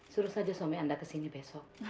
suruh saja suami anda kesini besok